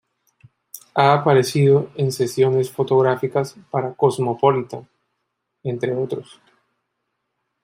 Ha aparecido en sesiones fotográficas para "Cosmopolitan", entre otros...